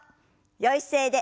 よい姿勢で。